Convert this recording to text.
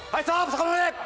そこまで！